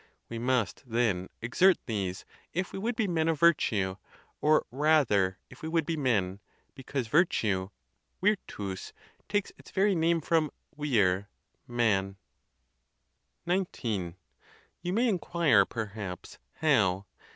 We must, then, exert these, if we would be men of virtue, or, rather, if we would be men, because virtue (virtus) takes its very name from vir, man. XIX. You may inquire, perhaps, how?